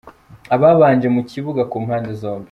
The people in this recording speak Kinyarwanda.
Ababanje mu kibuga ku mpande zombi.